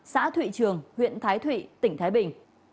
xã thụy trường huyện thái thụy tỉnh thái bình